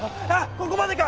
ここまでか！